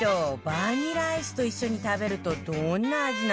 バニラアイスと一緒に食べるとどんな味なのかしら？